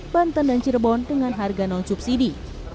banten dan cirebon dengan harga non subsidi